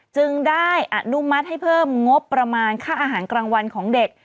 จึงได้อนุมัติให้เพิ่มงบประมาณค่าอาหารกลางวันของเด็ก